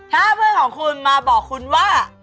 ถ้าเพื่อนของคุณมาบอกคุณว่า